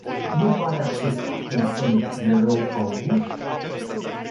Nu pare acesta un semn de rău augur?